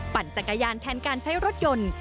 ปั่นจักรยานแทนการใช้รถยนต์